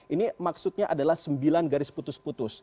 ini maksudnya adalah sembilan garis putus putus